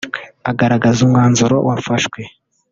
Agaragaza umwanzuro wafashwe